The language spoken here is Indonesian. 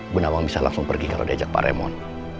gunawan bisa langsung pergi kalau diajak pak remon